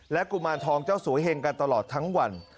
กุมารทองเจ้าสวยเห็งกันตลอดทั้งวัน